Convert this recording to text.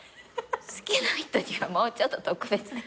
好きな人にはもうちょっと特別でいこう。